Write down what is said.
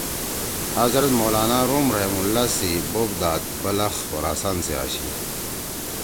حضرت مولانا روم رحمھم اللّٰہ سی بوپ داد بلخ خراسان سی آشی۔